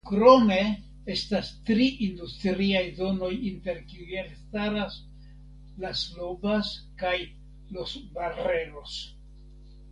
Krome estas tri industriaj zonoj inter kiuj elstaras "Las Lobas" kaj "Los Barreros".